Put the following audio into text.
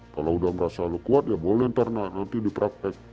kalau udah merasa lo kuat ya boleh nanti dipraktek